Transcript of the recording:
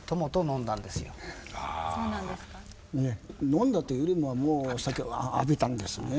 飲んだというよりはもうお酒を浴びたんですね。